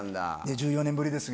１４年ぶりですが。